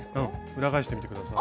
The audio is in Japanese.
裏返してみて下さい。